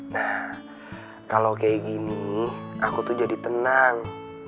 nah kalau kayak gini aku tuh jadi tenang